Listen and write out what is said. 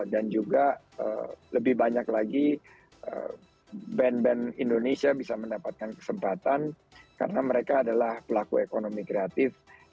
dan juga lebih banyak lagi band band indonesia bisa mendapatkan kesempatan karena mereka adalah pelaku ekonomi kreatif yang sangat potensial